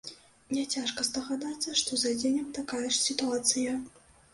Няцяжка здагадацца, што з адзеннем такая ж сітуацыя.